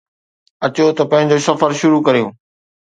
اچو ته پنهنجو سفر شروع ڪريون